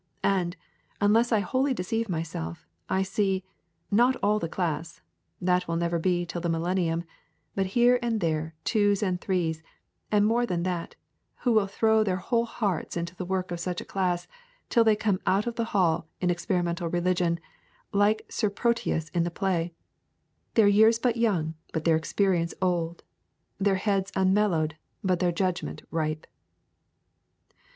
And, unless I wholly deceive myself, I see, not all the class that will never be till the millennium but here and there twos and threes, and more men than that, who will throw their whole hearts into the work of such a class till they come out of the hall in experimental religion like Sir Proteus in the play: Their years but young, but their experience old, Their heads unmellowed, but their judgment ripe.